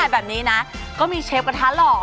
แบบนี้นะก็มีเชฟกระทะหล่อ